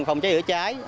phòng cháy trựa cháy